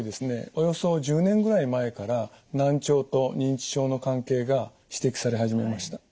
およそ１０年ぐらい前から難聴と認知症の関係が指摘され始めました。